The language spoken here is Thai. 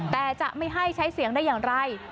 แต่จะไม่ให้ใช้เสียงได้อย่างไร